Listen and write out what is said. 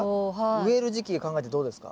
植える時期で考えてどうですか？